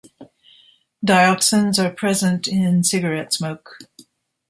Dioxins are present in cigarette smoke.